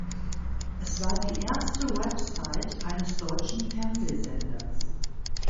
Es war die erste Website eines deutschen Fernsehsenders.